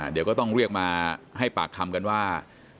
เดี๋ยวก็ต้องเรียกมาให้ปากคำกันว่า